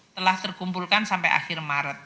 telah terkumpulkan sampai akhir maret